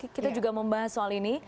kita juga membahas soal ini